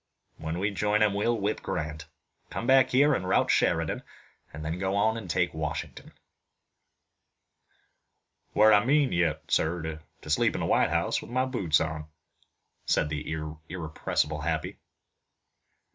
When we join him we'll whip Grant, come back here and rout Sheridan and then go on and take Washington." "Where I mean yet, sir, to sleep in the White House with my boots on," said the irrepressible Happy.